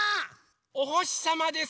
おほしさまです。